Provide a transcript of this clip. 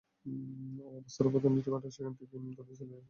অবস্থার অবনতি ঘটায় পরে সেখান থেকে তাঁদের সিলেটে স্থানান্তর করা হয়।